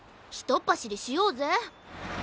ひとっぱしりしようぜ。